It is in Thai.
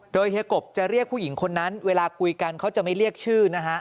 โดยเฮียกบจะเรียกผู้หญิงคนนั้นเวลาคุยกันเขาจะไม่เรียกชื่อนะฮะ